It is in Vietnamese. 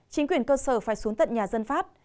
chính quyền cơ sở phải xuống tận nhà dân phát